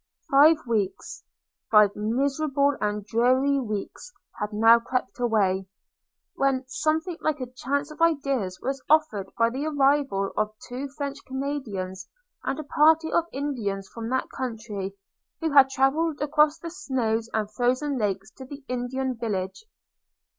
Five weeks, five miserable and dreary weeks had now crept away; when something like a change of ideas was offered by the arrival of two French Canadians and a party of Indians from that country, who had travelled across the snows and frozen lakes to the Indian village.